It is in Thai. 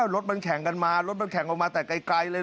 รถมันแข่งกันมารถมันแข่งออกมาแต่ไกลเลย